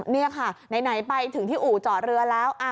นี่ค่ะไหนไปถึงที่อู่จอดเรือแล้ว